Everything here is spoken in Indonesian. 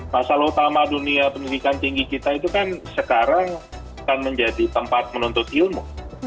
masalah utama dunia pendidikan tinggi kita itu kan sekarang akan menjadi tempat menuntut ilmu